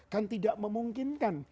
kan tidak memungkinkan